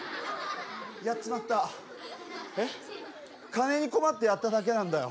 金に困ってやっただけなんだよ。